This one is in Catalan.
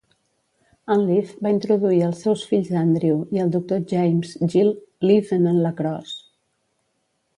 En Leaf va introduir els seus fills Andrew i el doctor James 'Gil' Leaf en el lacrosse.